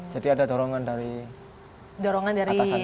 jadi ada dorongan dari atasan